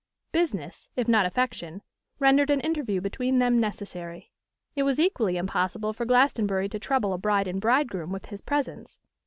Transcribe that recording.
Business, if not affection, rendered an interview between them necessary. It was equally impossible for Glastonbury to trouble a bride and bridegroom with his presence.